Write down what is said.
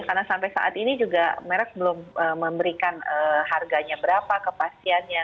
karena sampai saat ini juga merek belum memberikan harganya berapa ke pasiennya